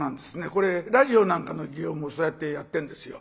これラジオなんかの擬音もそうやってやってんですよ。